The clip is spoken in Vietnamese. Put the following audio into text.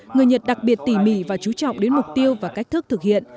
người nhật đặc biệt tỉ mỉ và chú trọng đến mục tiêu và cách thức thực hiện